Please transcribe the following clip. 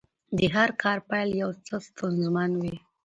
د هر کار پیل یو څه ستونزمن وي.